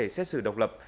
xét xử độc lập